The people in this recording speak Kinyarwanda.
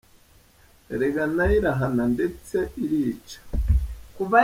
erega nayo irahana ndetse Irica !